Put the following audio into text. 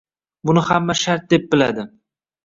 Buni hamma shart deb biladi.